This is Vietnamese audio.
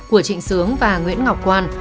của trịnh sướng và nguyễn ngọc quan